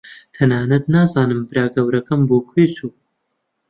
تەنانەت نازانم برا گەورەکەم بۆ کوێ چوو.